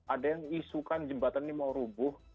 ada yang isukan jembatan ini mau rubuh